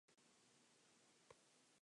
That's very interesting.